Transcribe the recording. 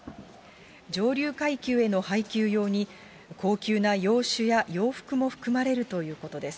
上流階級への配給用に、高級な洋酒や洋服も含まれるということです。